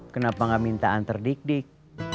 kenapa gak minta antar dik dik